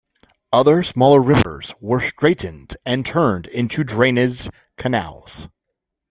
Other smaller rivers were straightened and turned into drainage canals.